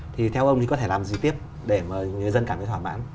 thì theo ông thì có thể làm gì tiếp để mà người dân cảm thấy thỏa mãn